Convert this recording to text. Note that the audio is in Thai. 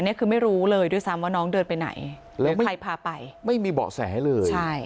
นี่คือไม่รู้เลยด้วยซ้ำว่าน้องเดินไปไหนแล้วใครพาไปไม่มีเบาะแสเลยใช่